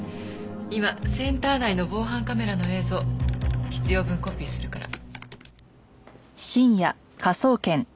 今センター内の防犯カメラの映像必要分コピーするから。